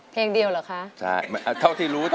เพลงเดียวเหรอคะ